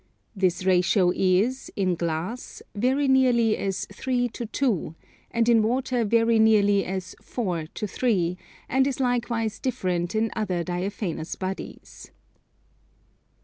This ratio is, in glass, very nearly as 3 to 2; and in water very nearly as 4 to 3; and is likewise different in other diaphanous bodies.